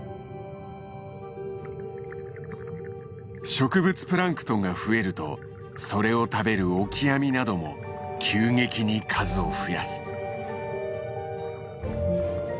植物プランクトンが増えるとそれを食べるオキアミなども急激に数を増やす。